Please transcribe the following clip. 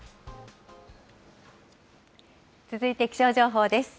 続いて気象情報です。